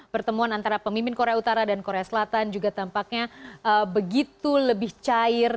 pertemuan antara pemimpin korea utara dan korea selatan juga tampaknya begitu lebih cair